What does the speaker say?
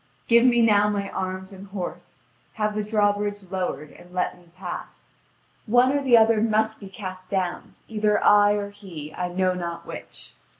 Give me now my arms and horse! Have the drawbridge lowered, and let me pass. One or the other must be cast down, either I or he, I know not which.